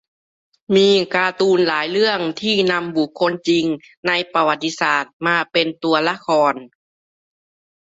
มีการ์ตูนหลายเรื่องที่นำบุคคลจริงในประวัติศาสตร์มาเป็นตัวละคร